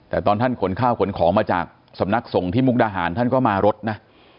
แต่ตอนท่านขนข้าวขนของมาจากสำนักส่งที่มุกดาหารท่านก็มารถนะ